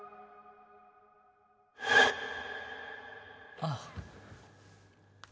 ああ。